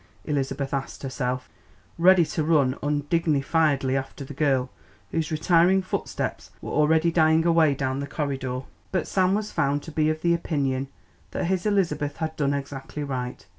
Elizabeth asked herself, ready to run undignifiedly after the girl, whose retiring footsteps were already dying away down the corridor. But Sam was found to be of the opinion that his Elizabeth had done exactly right.